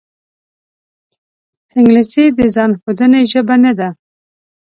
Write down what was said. انګلیسي د ځان ښودنې ژبه نه ده